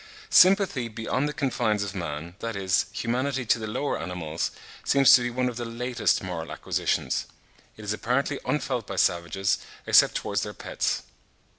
Sympathy beyond the confines of man, that is, humanity to the lower animals, seems to be one of the latest moral acquisitions. It is apparently unfelt by savages, except towards their pets.